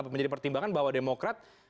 menjadi pertimbangan bahwa demokrasi